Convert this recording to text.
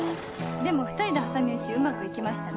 でも２人で挟み撃ちうまく行きましたね。